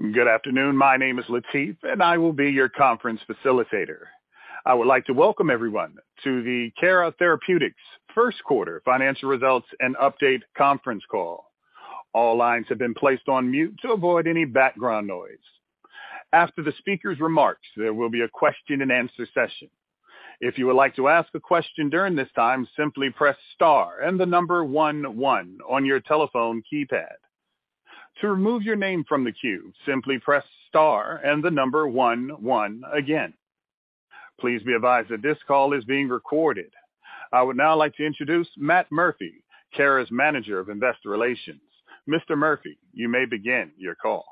Good afternoon. My name is Lateef, and I will be your conference facilitator. I would like to welcome everyone to the Cara Therapeutics First Quarter Financial Results and Update Conference Call. All lines have been placed on mute to avoid any background noise. After the speaker's remarks, there will be a question-and-answer session. If you would like to ask a question during this time, simply press star and the number one one on your telephone keypad. To remove your name from the queue, simply press star and the number one one again. Please be advised that this call is being recorded. I would now like to introduce Matt Murphy, Cara's Manager of Investor Relations. Mr. Murphy, you may begin your call.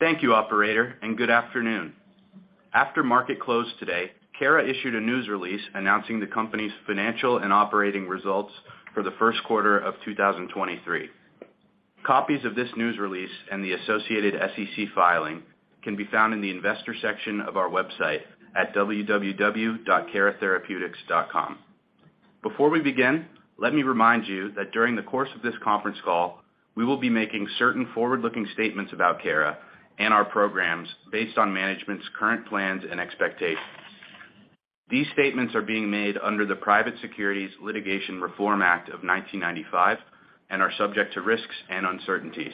Thank you, Operator, good afternoon. After market closed today, Cara issued a news release announcing the Company's financial and operating results for the first quarter of 2023. Copies of this news release and the associated SEC filing can be found in the Investor section of our website at www.caratherapeutics.com. Before we begin, let me remind you that during the course of this conference call, we will be making certain forward-looking statements about Cara and our programs based on management's current plans and expectations. These statements are being made under the Private Securities Litigation Reform Act of 1995 and are subject to risks and uncertainties.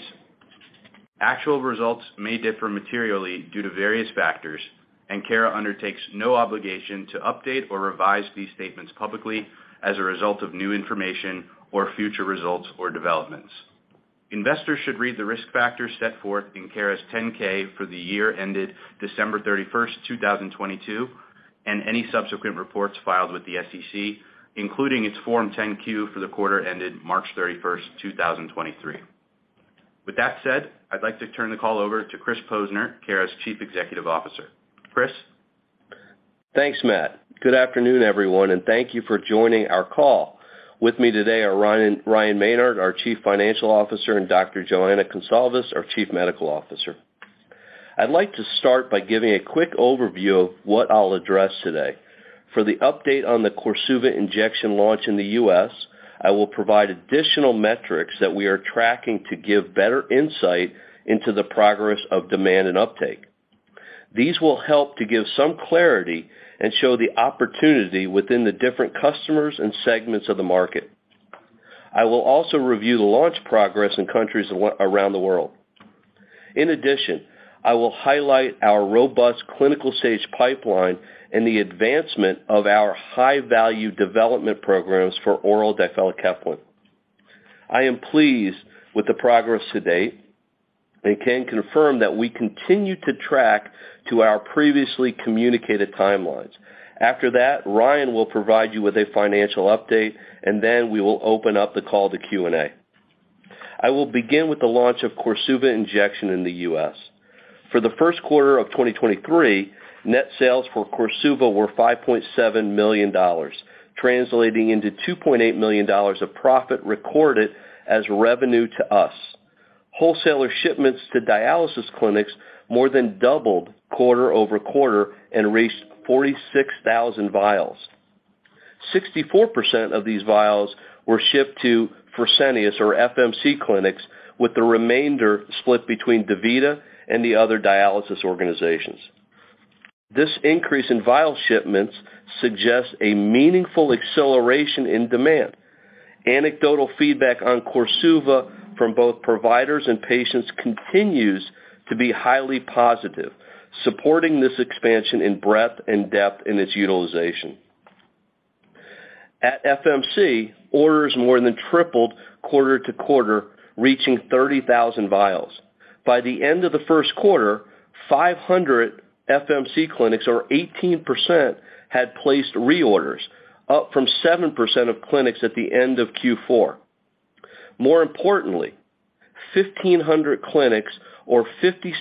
Actual results may differ materially due to various factors, and Cara undertakes no obligation to update or revise these statements publicly as a result of new information or future results or developments. Investors should read the risk factors set forth in Cara's 10-K for the year ended December 31st, 2022, and any subsequent reports filed with the SEC, including its Form 10-Q for the quarter ended March 31st, 2023. With that said, I'd like to turn the call over to Chris Posner, Cara's Chief Executive Officer. Chris? Thanks, Matt. Good afternoon, everyone, and thank you for joining our call. With me today are Ryan Maynard, our Chief Financial Officer, and Dr. Joana Goncalves, our Chief Medical Officer. I'd like to start by giving a quick overview of what I'll address today. For the update on the KORSUVA injection launch in the U.S., I will provide additional metrics that we are tracking to give better insight into the progress of demand and uptake. These will help to give some clarity and show the opportunity within the different customers and segments of the market. I will also review the launch progress in countries around the world. I will highlight our robust clinical stage pipeline and the advancement of our high-value development programs for oral difelikefalin. I am pleased with the progress to date and can confirm that we continue to track to our previously communicated timelines. After that, Ryan will provide you with a financial update, and then we will open up the call to Q&A. I will begin with the launch of KORSUVA injection in the U.S. For the first quarter of 2023, net sales for KORSUVA were $5.7 million, translating into $2.8 million of profit recorded as revenue to us. Wholesaler shipments to dialysis clinics more than doubled quarter-over-quarter and reached 46,000 vials. 64% of these vials were shipped to Fresenius or FMC clinics, with the remainder split between DaVita and the other dialysis organizations. This increase in vial shipments suggests a meaningful acceleration in demand. Anecdotal feedback on KORSUVA from both providers and patients continues to be highly positive, supporting this expansion in breadth and depth in its utilization. At FMC, orders more than tripled quarter-to-quarter, reaching 30,000 vials. By the end of the first quarter, 500 FMC clinics, or 18%, had placed reorders, up from 7% of clinics at the end of Q4. More importantly, 1,500 clinics or 56%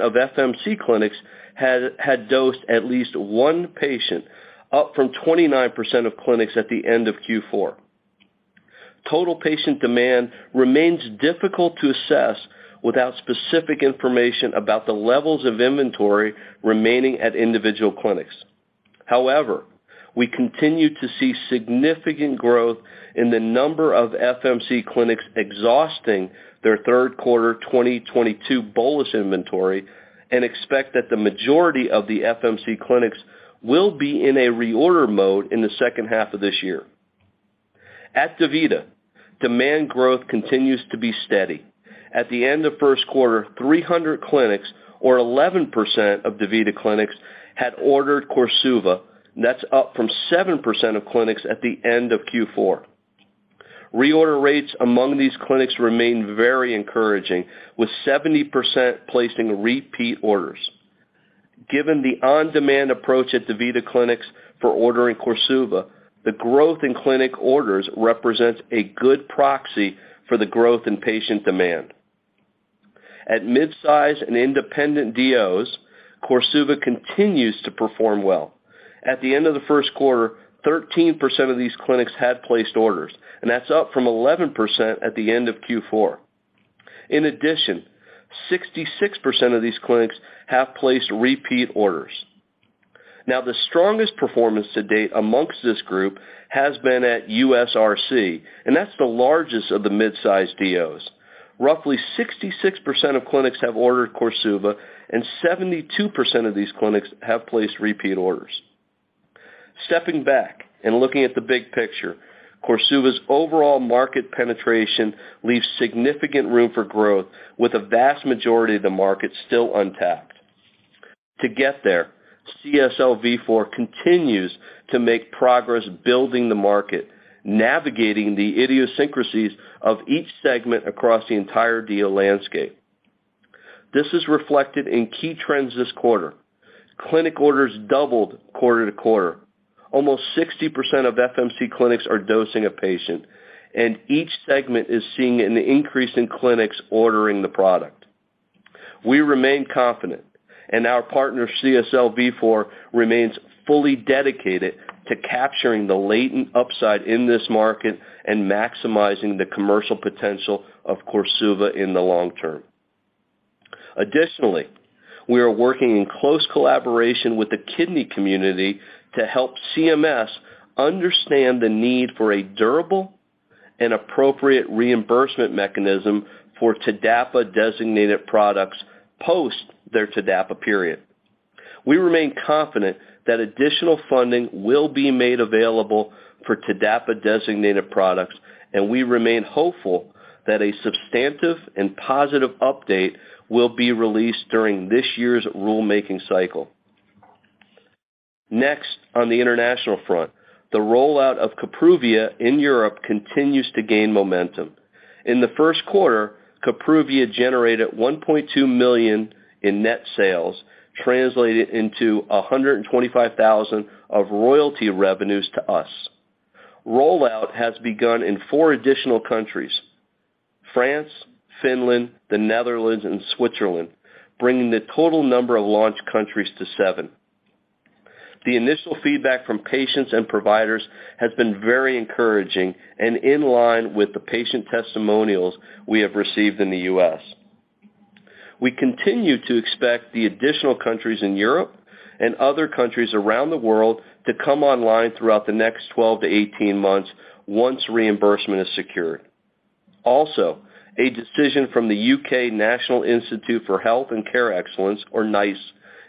of FMC clinics had dosed at least one patient, up from 29% of clinics at the end of Q4. Total patient demand remains difficult to assess without specific information about the levels of inventory remaining at individual clinics. However, we continue to see significant growth in the number of FMC clinics exhausting their third quarter 2022 bolus inventory and expect that the majority of the FMC clinics will be in a reorder mode in the second half of this year. At DaVita, demand growth continues to be steady. At the end of first quarter, 300 clinics or 11% of DaVita clinics had ordered KORSUVA, that's up from 7% of clinics at the end of Q4. Reorder rates among these clinics remain very encouraging, with 70% placing repeat orders. Given the on-demand approach at DaVita clinics for ordering KORSUVA, the growth in clinic orders represents a good proxy for the growth in patient demand. At midsize and independent DOs, KORSUVA continues to perform well. At the end of the first quarter, 13% of these clinics had placed orders, that's up from 11% at the end of Q4. In addition, 66% of these clinics have placed repeat orders. The strongest performance to date amongst this group has been at USRC, that's the largest of the mid-size DOs. Roughly 66% of clinics have ordered KORSUVA, and 72% of these clinics have placed repeat orders. Stepping back and looking at the big picture, KORSUVA's overall market penetration leaves significant room for growth, with a vast majority of the market still untapped. To get there, CSL Vifor continues to make progress building the market, navigating the idiosyncrasies of each segment across the entire DO landscape. This is reflected in key trends this quarter. Clinic orders doubled quarter-to-quarter. Almost 60% of FMC clinics are dosing a patient, and each segment is seeing an increase in clinics ordering the product. We remain confident, and our partner, CSL Vifor, remains fully dedicated to capturing the latent upside in this market and maximizing the commercial potential of KORSUVA in the long term. We are working in close collaboration with the kidney community to help CMS understand the need for a durable and appropriate reimbursement mechanism for TDAPA-designated products post their TDAPA period. We remain confident that additional funding will be made available for TDAPA-designated products, and we remain hopeful that a substantive and positive update will be released during this year's rulemaking cycle. On the international front, the rollout of Kapruvia in Europe continues to gain momentum. In the first quarter, Kapruvia generated $1.2 million in net sales, translated into $125,000 of royalty revenues to us. Rollout has begun in four additional countries: France, Finland, the Netherlands, and Switzerland, bringing the total number of launch countries to seven. The initial feedback from patients and providers has been very encouraging and in line with the patient testimonials we have received in the U.S. We continue to expect the additional countries in Europe and other countries around the world to come online throughout the next 12, 18 months once reimbursement is secured. Also, a decision from the U.K. National Institute for Health and Care Excellence, or NICE,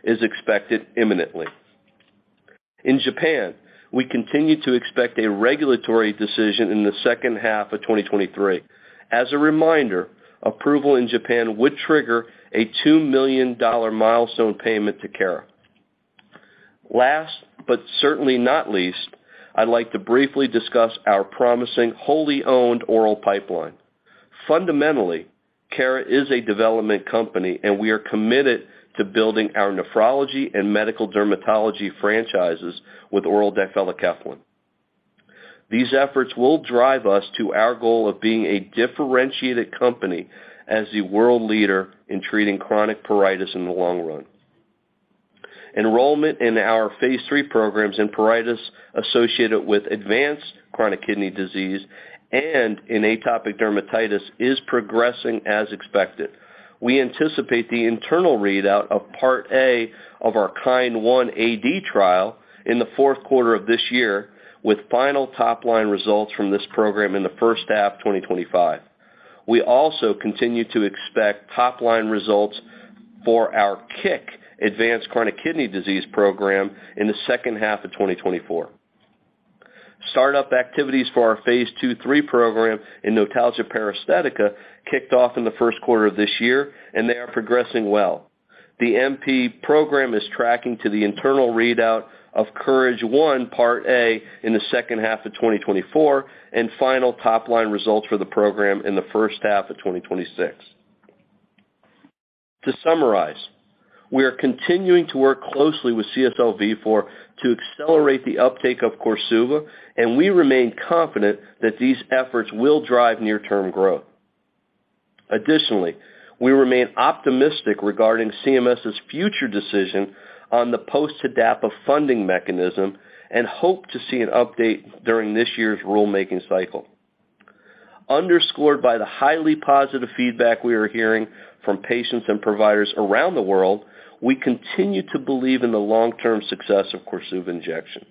is expected imminently. In Japan, we continue to expect a regulatory decision in the second half of 2023. As a reminder, approval in Japan would trigger a $2 million milestone payment to Cara. Last, but certainly not least, I'd like to briefly discuss our promising wholly owned oral pipeline. Fundamentally, Cara is a development company, and we are committed to building our nephrology and medical dermatology franchises with oral difelikefalin. These efforts will drive us to our goal of being a differentiated company as the world leader in treating chronic pruritus in the long run. Enrollment in our phase III programs in pruritus associated with advanced chronic kidney disease and in atopic dermatitis is progressing as expected. We anticipate the internal readout of Part A of our KIND 1 AD trial in the 4th quarter of this year, with final top-line results from this program in the first half 2025. We also continue to expect top-line results for our KICK advanced chronic kidney disease program in the second half of 2024. Startup activities for our phase II/III program in notalgia paresthetica kicked off in the 1st quarter of this year, and they are progressing well. The NP program is tracking to the internal readout of KOURAGE-1 Part A in the second half of 2024 and final top-line results for the program in the first half of 2026. To summarize, we are continuing to work closely with CSL Vifor to accelerate the uptake of KORSUVA, we remain confident that these efforts will drive near-term growth. Additionally, we remain optimistic regarding CMS's future decision on the post-TDAPA funding mechanism and hope to see an update during this year's rulemaking cycle. Underscored by the highly positive feedback we are hearing from patients and providers around the world, we continue to believe in the long-term success of KORSUVA injection.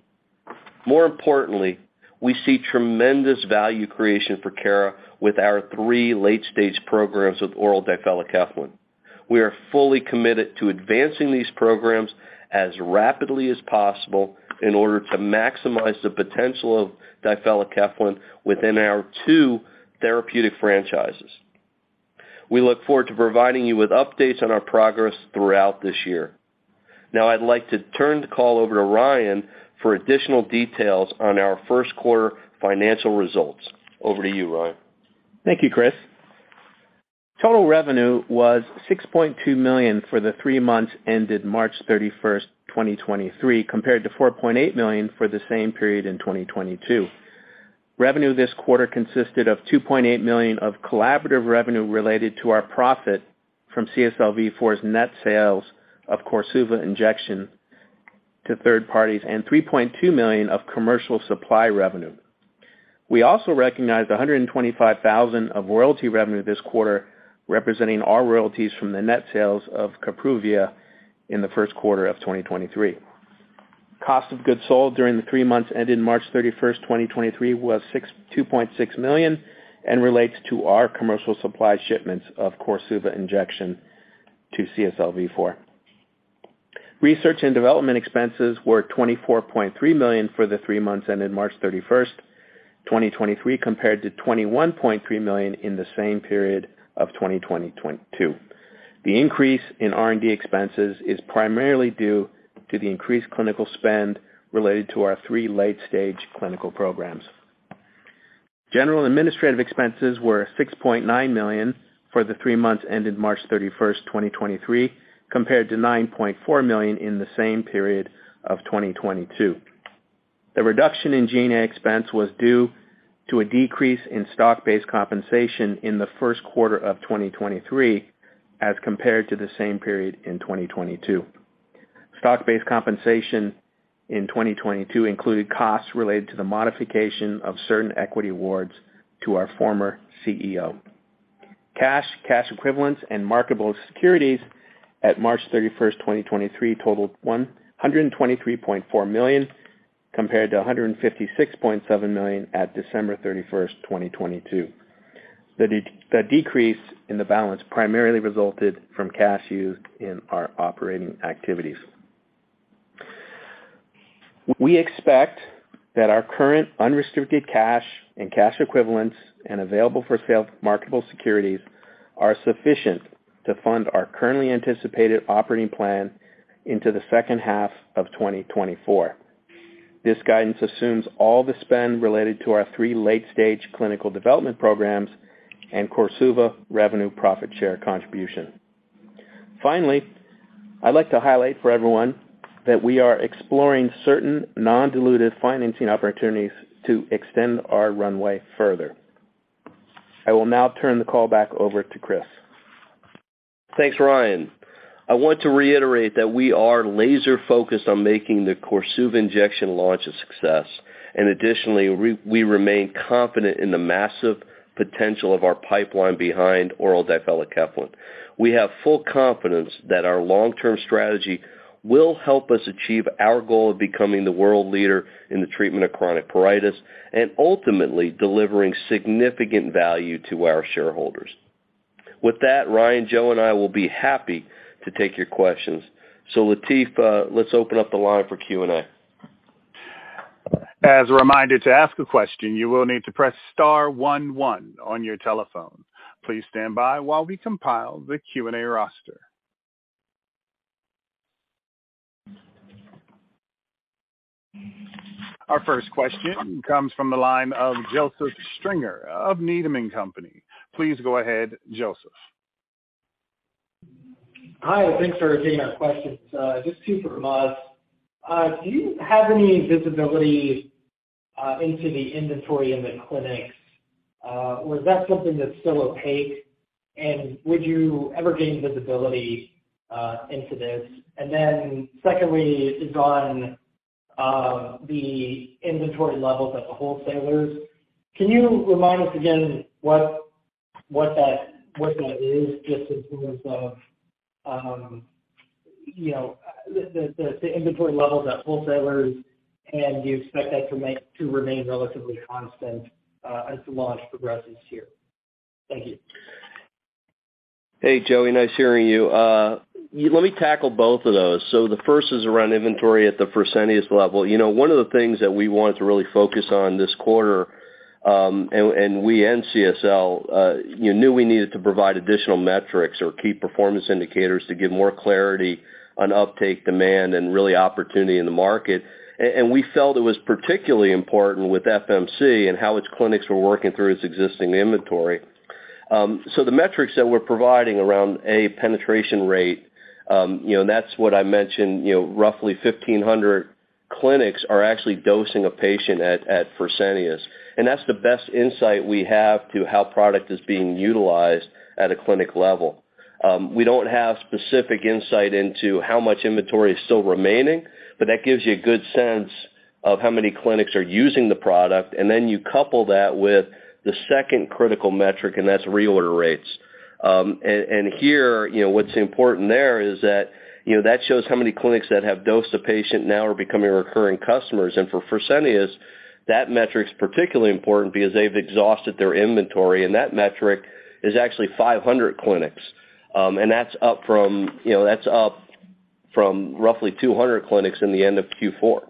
More importantly, we see tremendous value creation for Cara with our three late-stage programs with oral difelikefalin. We are fully committed to advancing these programs as rapidly as possible in order to maximize the potential of difelikefalin within our two therapeutic franchises. We look forward to providing you with updates on our progress throughout this year. Now, I'd like to turn the call over to Ryan for additional details on our first quarter financial results. Over to you, Ryan. Thank you, Chris. Total revenue was $6.2 million for the three months ended March 31st, 2023, compared to $4.8 million for the same period in 2022. Revenue this quarter consisted of $2.8 million of collaborative revenue related to our profit from CSL Vifor's net sales of KORSUVA injection to third parties and $3.2 million of commercial supply revenue. We also recognized $125,000 of royalty revenue this quarter, representing our royalties from the net sales of Kapruvia in the first quarter of 2023. Cost of goods sold during the three months ended March 31st, 2023 was $2.6 million and relates to our commercial supply shipments of KORSUVA injection to CSL Vifor. Research and development expenses were $24.3 million for the three months ended March 31st, 2023, compared to $21.3 million in the same period of 2022. The increase in R&D expenses is primarily due to the increased clinical spend related to our three late-stage clinical programs. General administrative expenses were $6.9 million for the three months ended March 31st, 2023, compared to $9.4 million in the same period of 2022. The reduction in GA expense was due to a decrease in stock-based compensation in the first quarter of 2023 as compared to the same period in 2022. Stock-based compensation in 2022 included costs related to the modification of certain equity awards to our former CEO. Cash, cash equivalents, and marketable securities at March 31st, 2023 totaled $123.4 million, compared to $156.7 million at December 31st, 2022. The decrease in the balance primarily resulted from cash used in our operating activities. We expect that our current unrestricted cash and cash equivalents and available for sale marketable securities are sufficient to fund our currently anticipated operating plan into the second half of 2024. This guidance assumes all the spend related to our three late-stage clinical development programs and KORSUVA revenue profit share contribution. Finally, I'd like to highlight for everyone that we are exploring certain non-dilutive financing opportunities to extend our runway further. I will now turn the call back over to Chris. Thanks, Ryan. I want to reiterate that we are laser-focused on making the KORSUVA injection launch a success, and additionally, we remain confident in the massive potential of our pipeline behind oral difelikefalin. We have full confidence that our long-term strategy will help us achieve our goal of becoming the world leader in the treatment of chronic pruritus and ultimately delivering significant value to our shareholders. With that, Ryan, Joana and I will be happy to take your questions. Lateef, let's open up the line for Q&A. As a reminder to ask a question, you will need to press star one one on your telephone. Please stand by while we compile the Q&A roster. Our first question comes from the line of Joseph Stringer of Needham & Company. Please go ahead, Joseph. Hi, thanks for taking our questions. Just two for us. Do you have any visibility into the inventory in the clinics? Was that something that's still opaque, and would you ever gain visibility into this? Secondly, is on the inventory levels at the wholesalers. Can you remind us again what that is just in terms of, you know, the inventory levels at wholesalers, and do you expect that to remain relatively constant as the launch progresses here? Thank you. Hey, Joseph, nice hearing you. Let me tackle both of those. The first is around inventory at the Fresenius level. You know, one of the things that we wanted to really focus on this quarter, and we and CSL, you know, knew we needed to provide additional metrics or key performance indicators to give more clarity on uptake demand and really opportunity in the market. And we felt it was particularly important with FMC and how its clinics were working through its existing inventory. The metrics that we're providing around, A, penetration rate, you know, and that's what I mentioned, you know, roughly 1,500 clinics are actually dosing a patient at Fresenius. That's the best insight we have to how product is being utilized at a clinic level. We don't have specific insight into how much inventory is still remaining, but that gives you a good sense of how many clinics are using the product. Then you couple that with the second critical metric, and that's reorder rates. And here, you know, what's important there is that, you know, that shows how many clinics that have dosed a patient now are becoming recurring customers. For Fresenius, that metric's particularly important because they've exhausted their inventory, and that metric is actually 500 clinics. That's up from, you know, that's up from roughly 200 clinics in the end of Q4.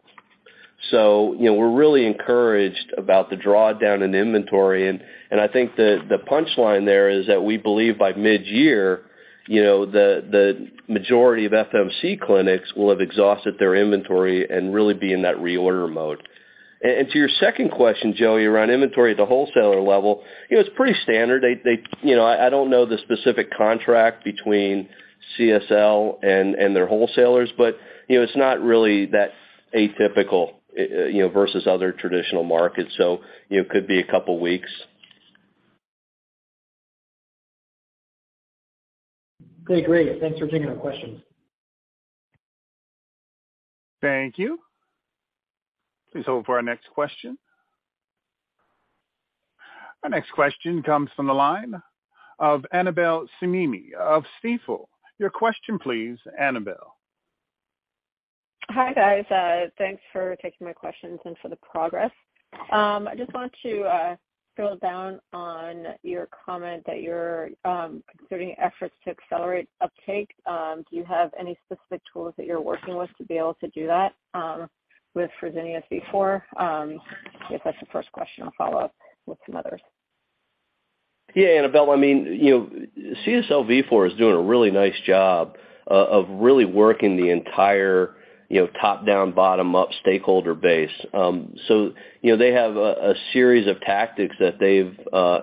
You know, we're really encouraged about the drawdown in inventory, and I think the punchline there is that we believe by mid-year, you know, the majority of FMC clinics will have exhausted their inventory and really be in that reorder mode. To your second question, Joey, around inventory at the wholesaler level, you know, it's pretty standard. You know, I don't know the specific contract between CSL and their wholesalers, but, you know, it's not really that atypical, you know, versus other traditional markets. You know, it could be a couple weeks Okay, great. Thanks for taking our questions. Thank you. Please hold for our next question. Our next question comes from the line of Annabel Samimy of Stifel. Your question, please, Annabel. Hi, guys. Thanks for taking my questions and for the progress. I just want to drill down on your comment that you're considering efforts to accelerate uptake. Do you have any specific tools that you're working with to be able to do that with Fresenius before? I guess that's the first question. I'll follow up with some others. Yeah, Annabel. I mean, you know, CSL Vifor is doing a really nice job of really working the entire, you know, top down, bottom up stakeholder base. You know, they have a series of tactics that they've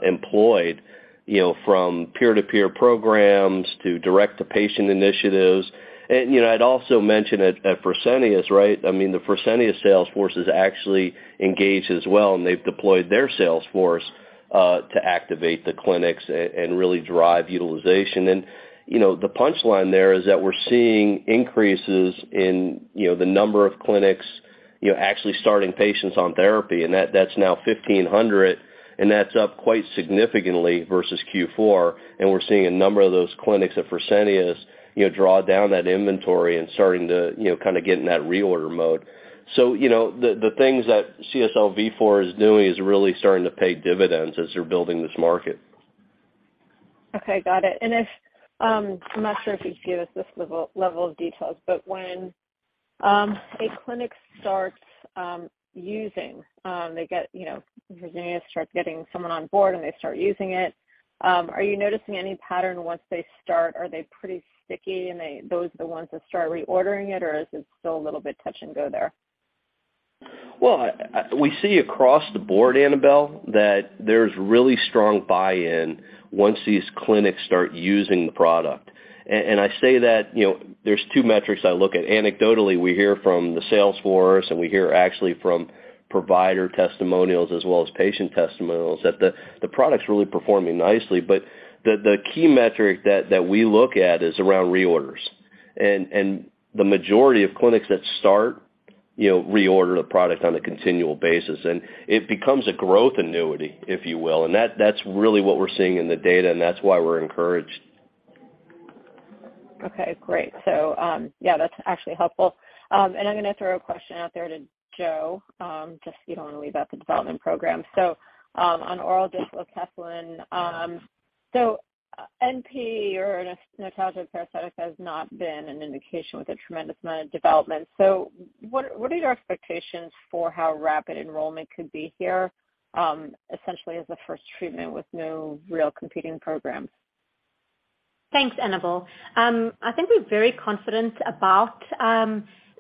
employed, you know, from peer-to-peer programs to direct-to-patient initiatives. You know, I'd also mention at Fresenius, right? I mean, the Fresenius sales force is actually engaged as well, and they've deployed their sales force to activate the clinics and really drive utilization. You know, the punchline there is that we're seeing increases in, you know, the number of clinics, you know, actually starting patients on therapy. That's now 1,500, and that's up quite significantly versus Q4. We're seeing a number of those clinics at Fresenius, you know, draw down that inventory and starting to, you know, kind of get in that reorder mode. You know, the things that CSL Vifor is doing is really starting to pay dividends as they're building this market. Okay, got it. If, I'm not sure if you'd give us this level of details, but when a clinic starts using, they get, you know, Fresenius starts getting someone on board, and they start using it. Are you noticing any pattern once they start? Are they pretty sticky and those are the ones that start reordering it, or is it still a little bit touch and go there? Well, we see across the board, Annabel, that there's really strong buy-in once these clinics start using the product. I say that, you know, there's two metrics I look at. Anecdotally, we hear from the sales force, and we hear actually from provider testimonials as well as patient testimonials that the product's really performing nicely. The key metric that we look at is around reorders. The majority of clinics that start, you know, reorder the product on a continual basis. It becomes a growth annuity, if you will. That's really what we're seeing in the data, and that's why we're encouraged. Okay, great. Yeah, that's actually helpful. I'm going to throw a question out there to Jo, just if you don't want to lead about the development program. On oral difelikefalin, NP or neuropathic pruritus has not been an indication with a tremendous amount of development. What are your expectations for how rapid enrollment could be here, essentially as the first treatment with no real competing programs? Thanks, Annabel. I think we're very confident about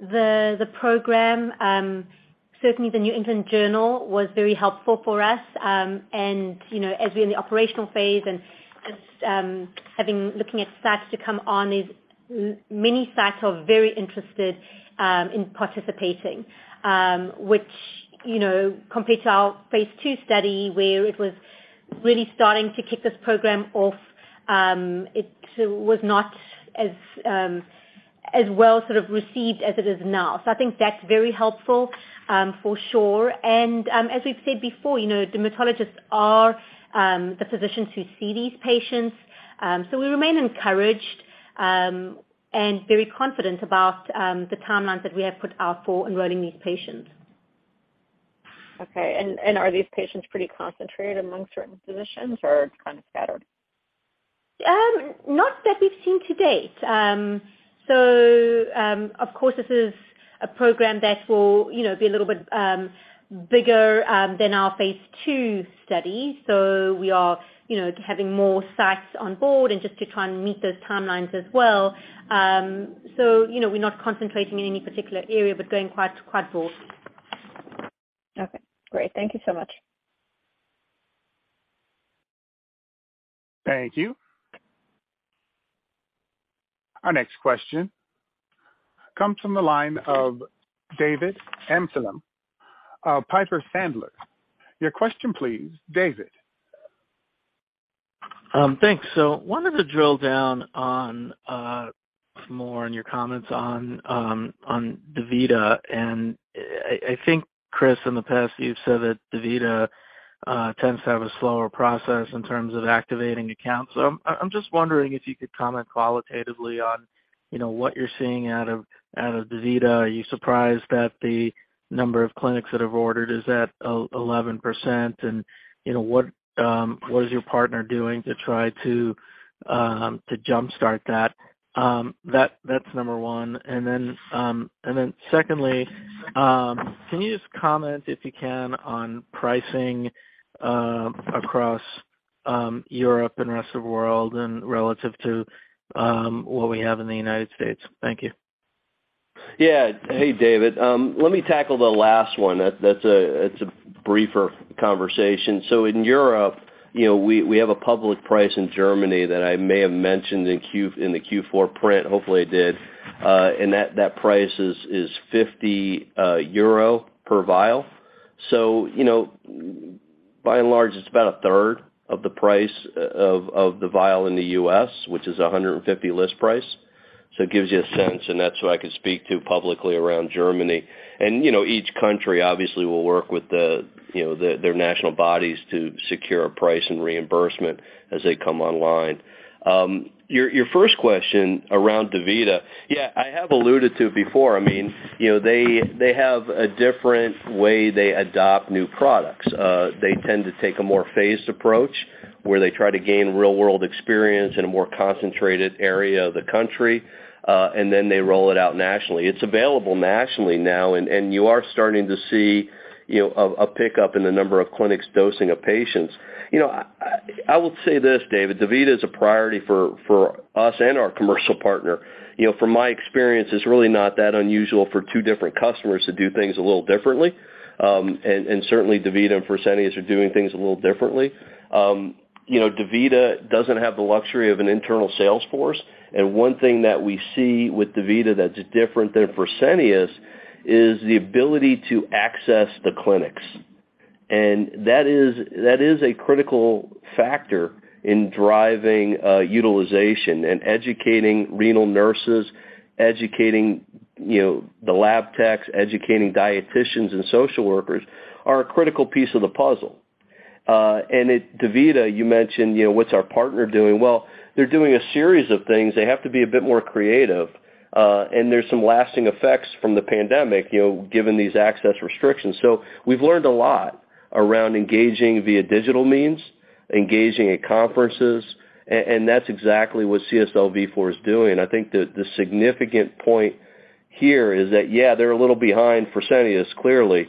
the program. Certainly the New England Journal was very helpful for us. You know, as we're in the operational phase and as having looking at stats to come on is many sites are very interested in participating. Which, you know, compared to our phase two study where it was really starting to kick this program off, it was not as well sort of received as it is now. I think that's very helpful for sure. As we've said before, you know, dermatologists are the physicians who see these patients. We remain encouraged and very confident about the timelines that we have put out for enrolling these patients. Okay. Are these patients pretty concentrated among certain physicians or kind of scattered? Not that we've seen to date. Of course, this is a program that will, you know, be a little bit bigger than our phase II study. We are, you know, having more sites on board and just to try and meet those timelines as well. You know, we're not concentrating in any particular area but going quite broad. Okay, great. Thank you so much. Thank you. Our next question comes from the line of David Amsellem, Piper Sandler. Your question, please, David. Thanks. Wanted to drill down on some more on your comments on DaVita. I think, Chris, in the past, you've said that DaVita tends to have a slower process in terms of activating accounts. I'm just wondering if you could comment qualitatively on, you know, what you're seeing out of DaVita. Are you surprised that the number of clinics that have ordered is at 11%? You know, what is your partner doing to try to jump-start that? That's number one. Secondly, can you just comment, if you can, on pricing across Europe and the rest of the world and relative to what we have in the United States? Thank you. Yeah. Hey, David. Let me tackle the last one. That's a briefer conversation. In Europe, you know, we have a public price in Germany that I may have mentioned in the Q4 print. Hopefully I did. And that price is 50 euro per vial. You know, by and large, it's about a third of the price of the vial in the U.S., which is a $150 list price. It gives you a sense, and that's what I could speak to publicly around Germany. You know, each country obviously will work with the, you know, their national bodies to secure a price and reimbursement as they come online. Your first question around DaVita. Yeah, I have alluded to it before. I mean, you know, they have a different way they adopt new products. They tend to take a more phased approach where they try to gain real-world experience in a more concentrated area of the country, and then they roll it out nationally. It's available nationally now, and you are starting to see, you know, a pickup in the number of clinics dosing of patients. You know, I would say this, David, DaVita is a priority for us and our commercial partner. You know, from my experience, it's really not that unusual for two different customers to do things a little differently. And certainly DaVita and Fresenius are doing things a little differently. You know, DaVita doesn't have the luxury of an internal sales force. One thing that we see with DaVita that's different than Fresenius is the ability to access the clinics. That is a critical factor in driving utilization and educating renal nurses, educating, you know, the lab techs, educating dietitians and social workers are a critical piece of the puzzle. At DaVita, you mentioned, you know, what's our partner doing? Well, they're doing a series of things. They have to be a bit more creative, and there's some lasting effects from the pandemic, you know, given these access restrictions. We've learned a lot around engaging via digital means, engaging at conferences, and that's exactly what CSL Vifor is doing. I think the significant point here is that, yeah, they're a little behind Fresenius, clearly.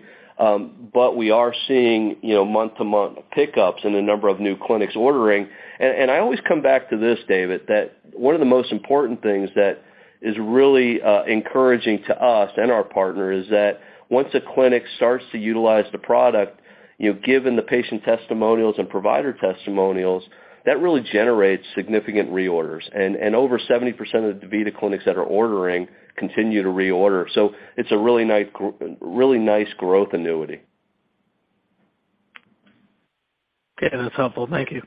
We are seeing, you know, month to month pickups in the number of new clinics ordering. I always come back to this, David, that one of the most important things that is really encouraging to us and our partner is that once a clinic starts to utilize the product, you know, given the patient testimonials and provider testimonials, that really generates significant reorders. Over 70% of the DaVita clinics that are ordering continue to reorder. It's a really nice growth annuity. Okay. That's helpful. Thank you.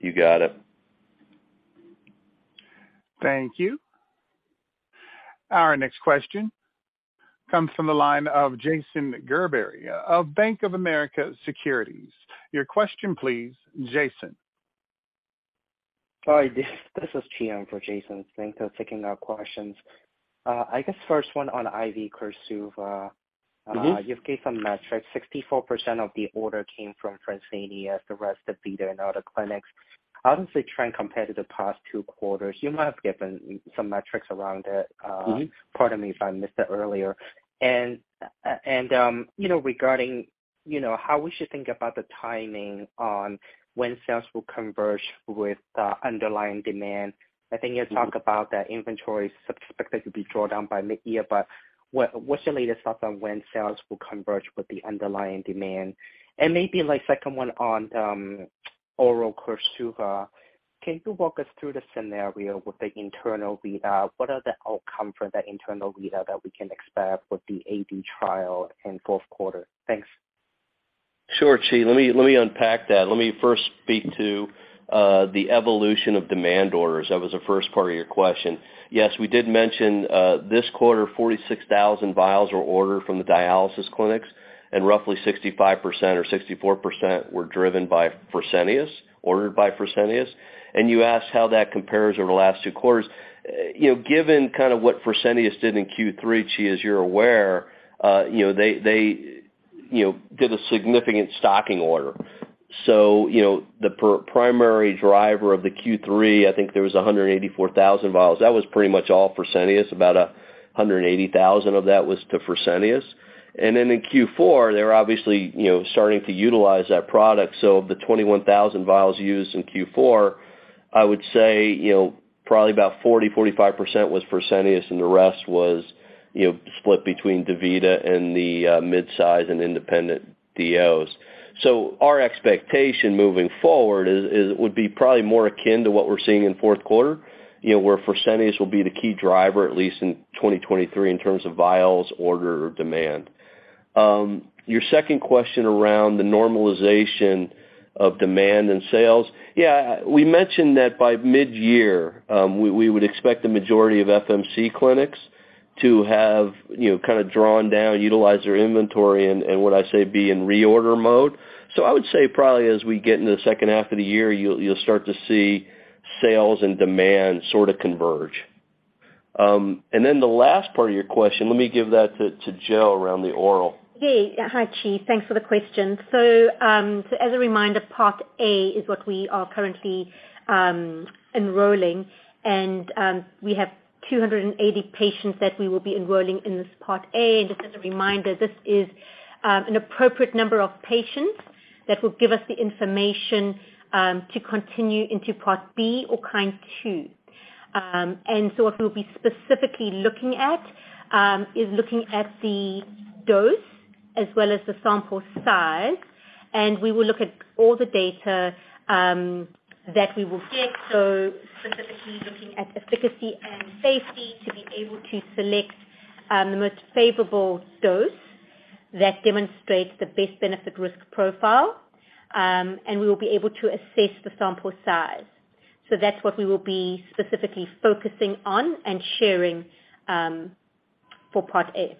You got it. Thank you. Our next question comes from the line of Jason Gerberry of Bank of America Securities. Your question, please, Jason. Hi, this is Chi in for Jason. Thanks for taking our questions. I guess first one on IV KORSUVA. Mm-hmm. you've gave some metrics, 64% of the order came from Fresenius, the rest DaVita and other clinics. Obviously, trying to compare to the past two quarters, you might have given some metrics around it. Mm-hmm. Pardon me if I missed that earlier. You know, regarding, you know, how we should think about the timing on when sales will converge with underlying demand. I think you talked about that inventory is expected to be drawn down by mid-year, what's your latest thoughts on when sales will converge with the underlying demand? Maybe like, second one on oral KORSUVA. Can you walk us through the scenario with the internal readout? What are the outcome for that internal readout that we can expect with the AD trial in fourth quarter? Thanks. Sure, Chi. Let me unpack that. Let me first speak to the evolution of demand orders. That was the first part of your question. Yes, we did mention this quarter, 46,000 vials were ordered from the dialysis clinics, roughly 65% or 64% were driven by Fresenius, ordered by Fresenius. You asked how that compares over the last two quarters. You know, given kind of what Fresenius did in Q3, Chi, as you're aware, you know, they, you know, did a significant stocking order. You know, the primary driver of the Q3, I think there was 184,000 vials. That was pretty much all Fresenius. About 180,000 of that was to Fresenius. Then in Q4, they're obviously, you know, starting to utilize that product. Of the 21,000 vials used in Q4, I would say, you know, probably about 40%, 45% was Fresenius, and the rest was, you know, split between DaVita and the midsize and independent DOs. Our expectation moving forward is it would be probably more akin to what we're seeing in fourth quarter, you know, where Fresenius will be the key driver, at least in 2023, in terms of vials order or demand. Your second question around the normalization of demand and sales. Yeah, we mentioned that by mid-year, we would expect the majority of FMC clinics to have, you know, kinda drawn down, utilize their inventory and what I say be in reorder mode. I would say probably as we get into the second half of the year, you'll start to see sales and demand sort of converge. Then the last part of your question, let me give that to Jo around the oral. Yeah. Hi, Chi. Thanks for the question. As a reminder, Part A is what we are currently enrolling, and we have 280 patients that we will be enrolling in this Part A. Just as a reminder, this is an appropriate number of patients that will give us the information to continue into Part B or KIND 2. What we'll be specifically looking at is looking at the dose as well as the sample size, and we will look at all the data that we will get, so specifically looking at efficacy and safety to be able to select. The most favorable dose that demonstrates the best benefit risk profile, we will be able to assess the sample size. That's what we will be specifically focusing on and sharing, for Part A.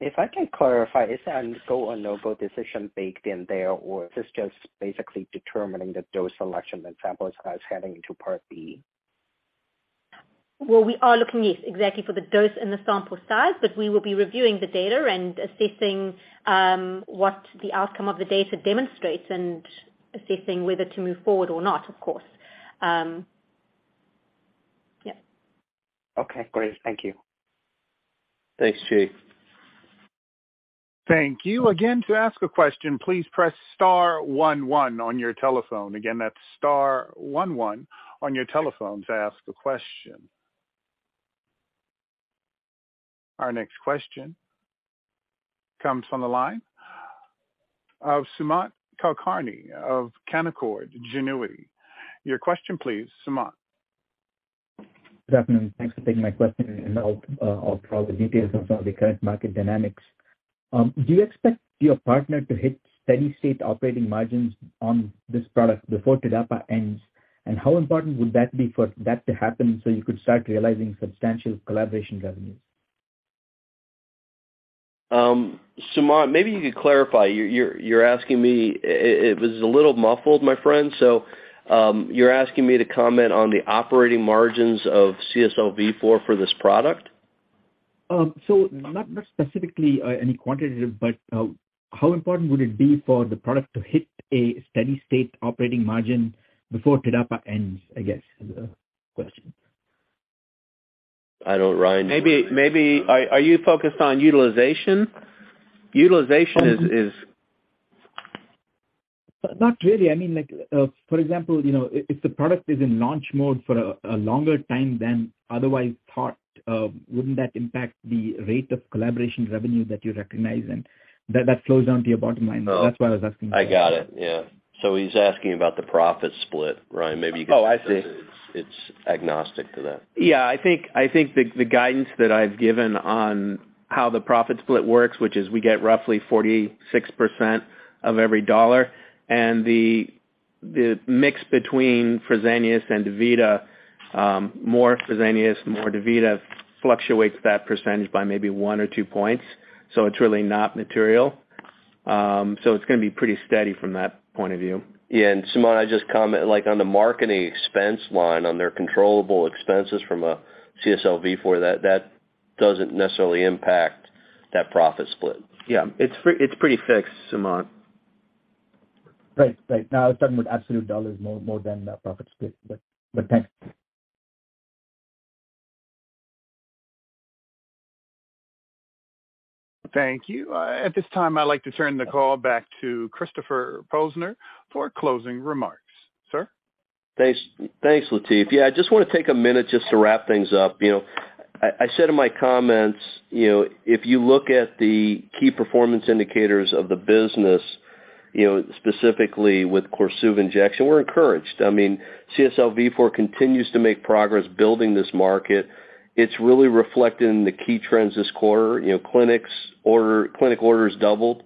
If I can clarify, is there a go or no-go decision baked in there, or is this just basically determining the dose selection that sample size heading into Part B? We are looking, yes, exactly for the dose and the sample size, but we will be reviewing the data and assessing what the outcome of the data demonstrates and assessing whether to move forward or not, of course. Okay, great. Thank you. Thanks, Chi. Thank you. Again, to ask a question, please press star one one on your telephone. Again, that's star one one on your telephone to ask a question. Our next question comes from the line of Sumant Kulkarni of Canaccord Genuity. Your question, please, Sumant. Good afternoon. Thanks for taking my question, and I'll draw the details of some of the current market dynamics. Do you expect your partner to hit steady-state operating margins on this product before TDAPA ends? How important would that be for that to happen so you could start realizing substantial collaboration revenues? Sumant, maybe you could clarify. You're asking me, it was a little muffled, my friend, so, you're asking me to comment on the operating margins of CSL Vifor for this product? Not specifically, any quantitative, but how important would it be for the product to hit a steady-state operating margin before TDAPA ends, I guess, is the question? Ryan, do you want to? Maybe are you focused on utilization? Utilization is. Not really. I mean, like, for example, you know, if the product is in launch mode for a longer time than otherwise thought, wouldn't that impact the rate of collaboration revenue that you recognize and that flows down to your bottom line? Oh. That's why I was asking. I got it, yeah. He's asking about the profit split. Ryan, maybe you could- Oh, I see. It's agnostic to that. I think the guidance that I've given on how the profit split works, which is we get roughly 46% of every dollar and the mix between Fresenius and DaVita, more Fresenius, more DaVita fluctuates that percentage by maybe one or two points. It's really not material. It's going to be pretty steady from that point of view. Yeah. Sumant, I just comment, like, on the marketing expense line, on their controllable expenses from a CSL Vifor, that doesn't necessarily impact that profit split. Yeah. It's pretty fixed, Sumant. Right. Right. No, I was talking about absolute dollars more than the profit split. Thanks. Thank you. At this time, I'd like to turn the call back to Christopher Posner for closing remarks. Sir? Thanks. Thanks, Lateef. I just want to take a minute just to wrap things up. You know, I said in my comments, you know, if you look at the key performance indicators of the business, you know, specifically with KORSUVA injection, we're encouraged. I mean, CSL Vifor continues to make progress building this market. It's really reflected in the key trends this quarter. You know, clinic orders doubled.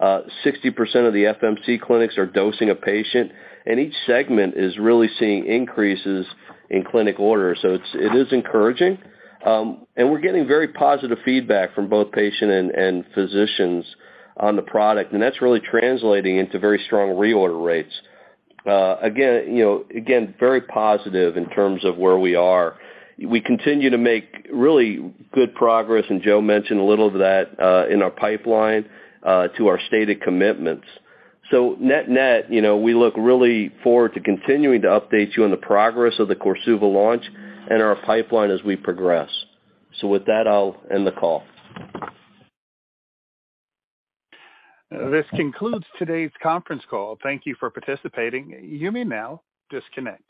60% of the FMC clinics are dosing a patient, and each segment is really seeing increases in clinic orders. It's, it is encouraging. We're getting very positive feedback from both patient and physicians on the product, and that's really translating into very strong reorder rates. You know, again, very positive in terms of where we are. We continue to make really good progress. Jo mentioned a little of that, in our pipeline, to our stated commitments. Net-net, you know, we look really forward to continuing to update you on the progress of the KORSUVA launch and our pipeline as we progress. With that, I'll end the call. This concludes today's conference call. Thank you for participating. You may now disconnect.